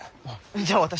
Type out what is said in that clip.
じゃあ私も。